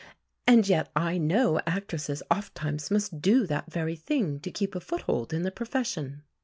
And yet I know actresses ofttimes must do that very thing, to keep a foothold in the profession."